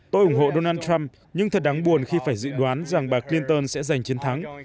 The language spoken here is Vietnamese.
tôi ủng hộ donald trump nhưng thật đáng buồn khi phải dự đoán rằng bà clinton sẽ giành chiến thắng